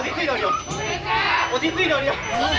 terima kasih lelaki lelaki semua